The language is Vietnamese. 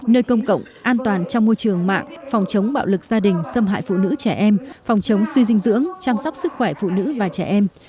nơi công cộng an toàn trong môi trường mạng phòng chống bạo lực gia đình xâm hại phụ nữ trẻ em phòng chống suy dinh dưỡng chăm sóc sức khỏe phụ nữ và trẻ em